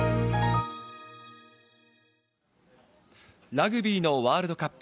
ラグビーのワールドカップ。